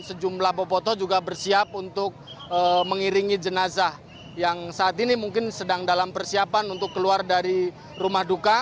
sejumlah boboto juga bersiap untuk mengiringi jenazah yang saat ini mungkin sedang dalam persiapan untuk keluar dari rumah duka